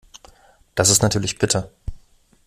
Das ist natürlich bitter.